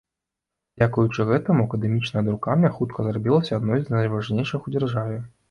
Дзякуючы гэтаму акадэмічная друкарня хутка зрабілася адной з найважнейшых у дзяржаве.